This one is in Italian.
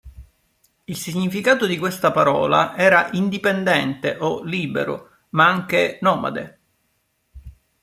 Il significato di questa parola era "indipendente" o "libero", ma anche "nomade".